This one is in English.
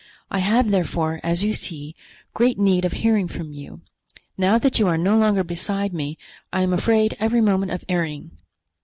I have, therefore, as you see, great need of hearing from you. Now that you are no longer beside me I am afraid every moment of erring.